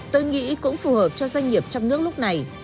tôi nghĩ cũng phù hợp cho doanh nghiệp trong nước lúc này